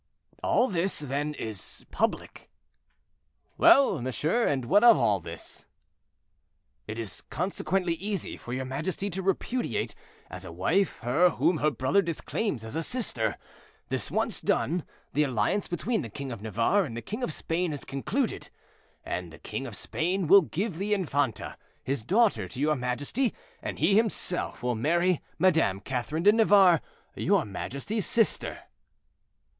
"All this, then, is public." "Well! monsieur, and what of all this?" "It is consequently easy for your majesty to repudiate as a wife her whom her brother disclaims as a sister. This once done, the alliance between the king of Navarre and the king of Spain is concluded, and the king of Spain will give the infanta, his daughter, to your majesty, and he himself will marry Madame Catherine de Navarre, your majesty's sister."